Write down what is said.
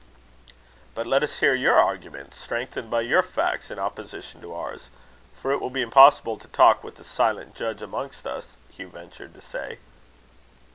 "But let us hear your arguments, strengthened by your facts, in opposition to ours; for it will be impossible to talk with a silent judge amongst us," Hugh ventured to say.